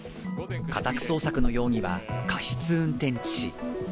家宅捜索の容疑は過失運転致死。